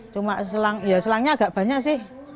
cuma ya selangnya agak banyak sih